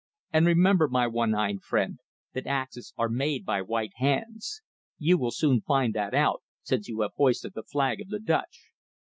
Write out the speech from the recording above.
"And, remember, my one eyed friend, that axes are made by white hands. You will soon find that out, since you have hoisted the flag of the Dutch."